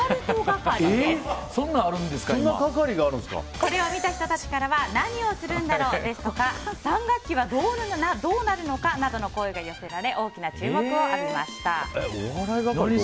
これを見た人たちからは何をするんだろうですとか３学期はどうなるのかなどの声が寄せられ大きな注目を浴びました。